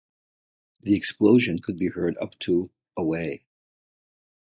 The explosion could be heard up to away.